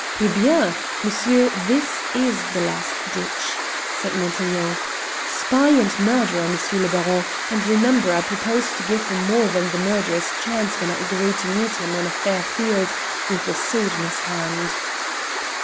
"Eh bien! Monsieur; this is the last ditch!" said Montaiglon. "Spy and murderer, M. le Baron, and remember I propose to give him more than the murderer's chance when I agree to meet him on a fair field with a sword in his hand."